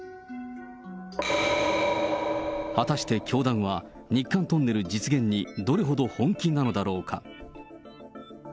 果たして教団は日韓トンネル実現にどれほど本気なのだろうか。